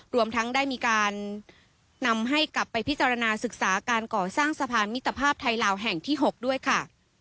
รวมทั้งได้มีการนำให้กลับไปพิจารณาศึกษาการก่อสร้างสะพานมิตรภาพไทยลาวแห่งที่๖ด้วยค่ะ